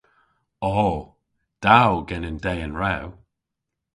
O! Da o genen dehen rew.